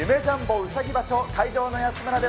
うさぎ場所会場の安村です。